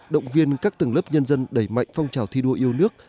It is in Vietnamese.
động viên các tầng lớp nhân dân đẩy mạnh phong trào thi đua yêu nước